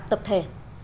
các tập thể